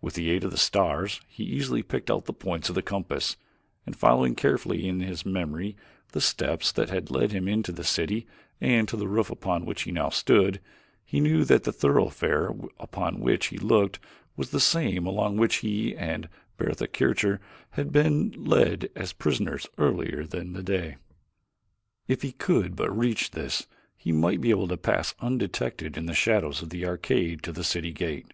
With the aid of the stars he easily picked out the points of the compass, and following carefully in his memory the steps that had led him into the city and to the roof upon which he now stood, he knew that the thoroughfare upon which he looked was the same along which he and Bertha Kircher had been led as prisoners earlier in the day. If he could reach this he might be able to pass undetected in the shadows of the arcade to the city gate.